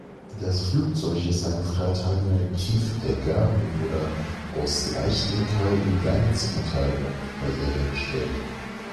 Das Flugzeug ist ein freitragender Tiefdecker und wurde aus Leichtmetall in Ganzmetallbauweise hergestellt.